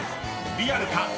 リアルか？